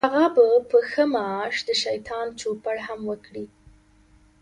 هغه به په ښه معاش د شیطان چوپړ هم وکړي.